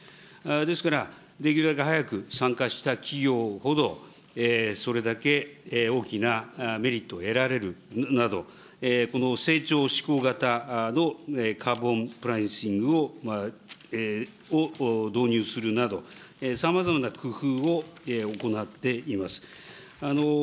ですから、できるだけ早く参加した企業ほど、それだけ大きなメリットを得られるなど、この成長志向型のカーボンプライシングを導入するなど、さまざまな工夫を行っています。